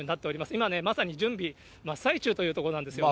今ね、まさに準備、真っ最中というところなんですよね。